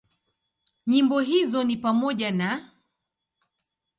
Nyimbo hizo ni pamoja na;